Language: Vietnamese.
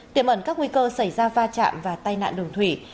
tiềm ẩn các nguy cơ xảy ra va chạm và tai nạn đường thủy